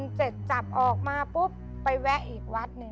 อเรนนี่เจ็บจับออกมาไปแวะอีกวัดนึง